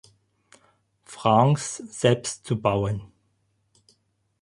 Franc selbst zu bauen.